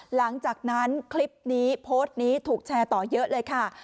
หลังจากนั้นคลิปนี้โพสต์นี้ถูกแชร์ต่อเยอะเลยค่ะ